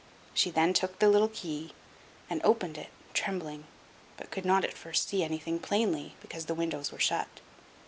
She then took the little key, and opened it, trembling, but could not at first see anything plainly, because the windows were shut.